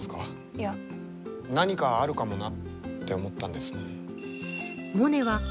何かあるかもなって思ったんです。